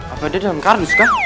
apa ada dalam kardus kah